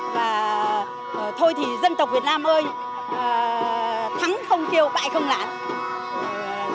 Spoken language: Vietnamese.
và thôi thì dân tộc việt nam ơi thắng không kêu bại không lãng